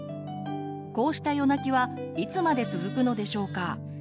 こうした夜泣きはいつまで続くのでしょうか？